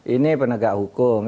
ini penegak hukum